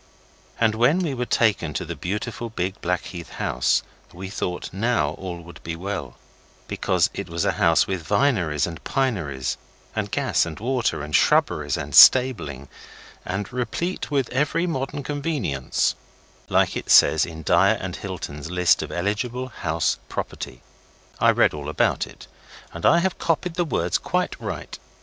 And when we were taken to the beautiful big Blackheath house we thought now all would be well, because it was a house with vineries and pineries, and gas and water, and shrubberies and stabling, and replete with every modern convenience, like it says in Dyer & Hilton's list of Eligible House Property. I read all about it, and I have copied the words quite right.